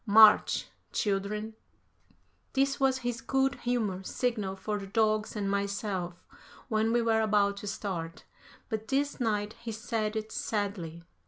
March! Children!" This was his good humor signal for the dogs and myself when we were about to start, but this night he said it sadly.